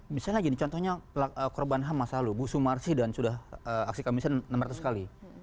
misalnya gini contohnya korban hamas lalu bu sumarsi dan sudah aksi kami bisa enam ratus kali